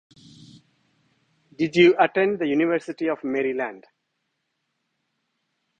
Did you attend the University of Maryland?